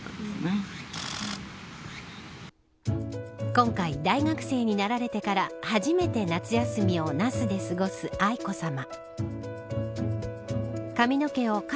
今回、大学生になられてから初めて、夏休みを那須で過ごす愛子さま。